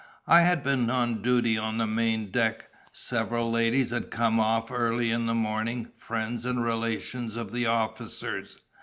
I had been on duty on the main deck. Several ladies had come off early in the morning, friends and relations of the officers.